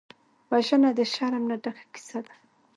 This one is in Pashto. وژنه د شرم نه ډکه کیسه ده